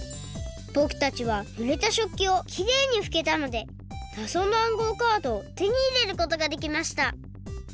ぼくたちはぬれた食器をきれいにふけたのでなぞの暗号カードをてにいれることができました！